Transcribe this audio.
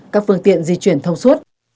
các phương tiện di chuyển thông suốt